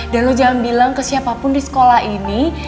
dan lo jangan bilang ke siapapun di sekolah ini